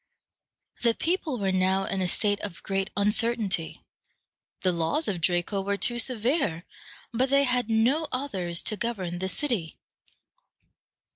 The people were now in a state of great uncertainty. The laws of Draco were too severe, but they had no others to govern the city.